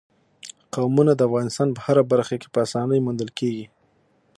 قومونه د افغانستان په هره برخه کې په اسانۍ موندل کېږي.